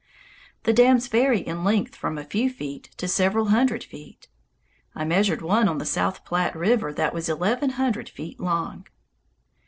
The dams vary in length from a few feet to several hundred feet. I measured one on the South Platte River that was eleven hundred feet long.